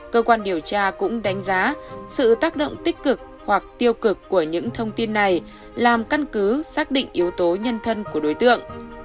cơ quan điều tra cũng đánh giá sự tác động tích cực hoặc tiêu cực của những thông tin này làm căn cứ xác định yếu tố nhân thân của đối tượng